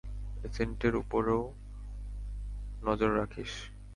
এজেন্টেরও উপরে নজর রাখিস।